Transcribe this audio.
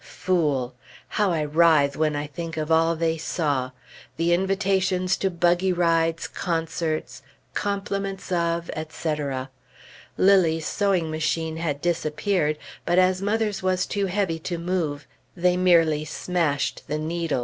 Fool! how I writhe when I think of all they saw; the invitations to buggy rides, concerts, "Compliments of," etc. ! Lilly's sewing machine had disappeared; but as mother's was too heavy to move, they merely smashed the needles.